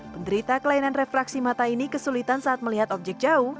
penderita kelainan refraksi mata ini kesulitan saat melihat objek jauh